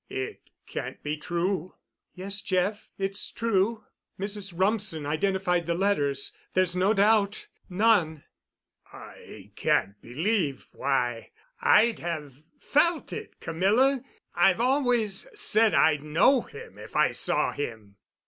"It can't be true?" "Yes, Jeff, it's true. Mrs. Rumsen identified the letters. There's no doubt—none." "I can't believe—why, I'd have felt it—Camilla. I've always said I'd know him if I saw him."